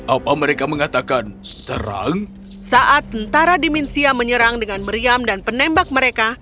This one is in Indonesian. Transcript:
apa mereka mengatakan serang saat tentara dimensia menyerang dengan meriam dan penembak mereka